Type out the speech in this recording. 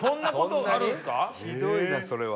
「ひどいなそれは」